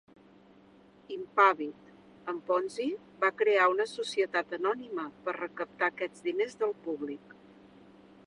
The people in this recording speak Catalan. Impàvid, en Ponzi va crear una societat anònima per recaptar aquests diners del públic.